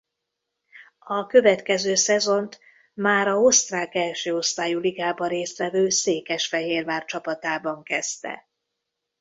A következő szezont már a osztrák első osztályú ligában részt vevő Székesfehérvár csapatában kezdte.